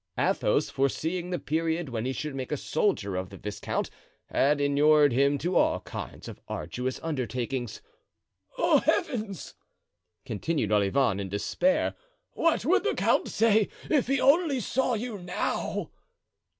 Athos, foreseeing the period when he should make a soldier of the viscount, had inured him to all kinds of arduous undertakings. "Oh, heavens!" continued Olivain, in despair, "what would the count say if he only saw you now!"